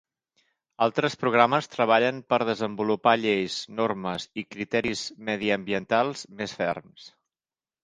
Altres programes treballen per desenvolupar lleis, normes i criteris mediambientals més ferms.